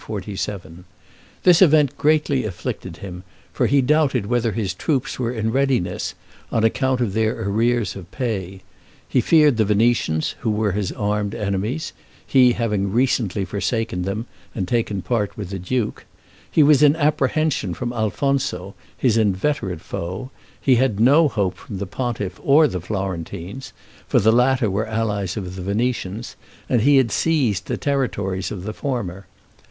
This event greatly afflicted him, for he doubted whether his troops were in readiness, on account of their arrears of pay; he feared the Venetians, who were his armed enemies, he having recently forsaken them and taken part with the duke; he was in apprehension from Alfonso, his inveterate foe; he had no hope from the pontiff or the Florentines; for the latter were allies of the Venetians, and he had seized the territories of the former.